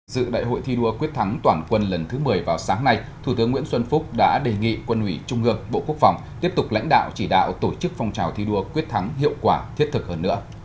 dự đại hội thi đua quyết thắng toàn quân lần thứ một mươi vào sáng nay thủ tướng nguyễn xuân phúc đã đề nghị quân ủy trung ương bộ quốc phòng tiếp tục lãnh đạo chỉ đạo tổ chức phong trào thi đua quyết thắng hiệu quả thiết thực hơn nữa